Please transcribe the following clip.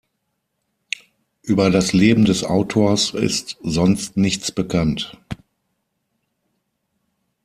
Über das Leben des Autors ist sonst nichts bekannt.